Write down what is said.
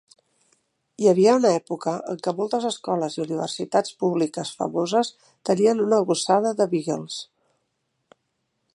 Hi havia una època en què moltes escoles i universitats públiques famoses tenien un gossada de "beagles".